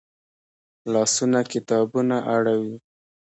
لاسونه کتابونه اړوي